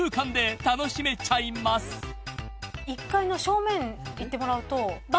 １階の正面行ってもらうと。